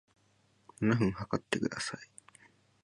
七分測ってください